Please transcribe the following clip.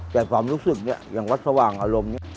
แต่ความรู้สึกเนี่ยอย่างวัดสว่างอารมณ์เนี่ย